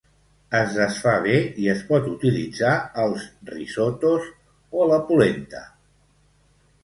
Es desfà bé i es pot utilitzar als risottos o a la polenta.